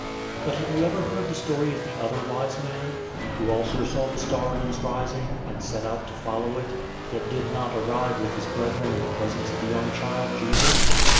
But have you ever heard the story of the Other Wise Man, who also saw the star in its rising, and set out to follow it, yet did not arrive with his brethren in the presence of the young child Jesus?